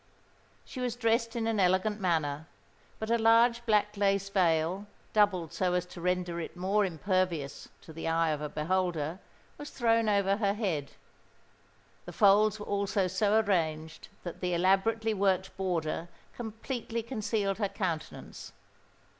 She was dressed in an elegant manner; but a large black lace veil, doubled so as to render it more impervious to the eye of a beholder, was thrown over her head. The folds were also so arranged that the elaborately worked border completely concealed her countenance.